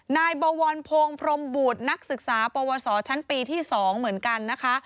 นายบวรพงศ์พรมบุตรนักศึกษาปวสชั้นปีที่๒เหมือนกันนะคะ